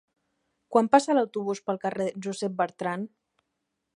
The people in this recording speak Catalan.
Quan passa l'autobús pel carrer Josep Bertrand?